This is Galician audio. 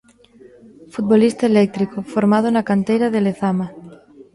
Futbolista eléctrico, formado na canteira de Lezama.